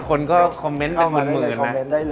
คนก็คอมเมนต์เป็นหมื่นนะ